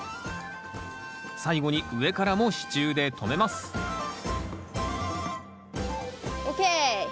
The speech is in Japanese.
最後に上からも支柱で留めますＯＫ！